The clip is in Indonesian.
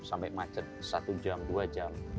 sampai macet satu jam dua jam